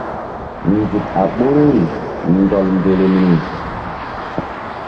Nzuk a ɓoruri ndɔl mberemri.